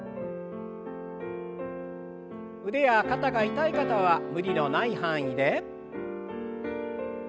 腕や肩が痛い方は無理のない範囲で。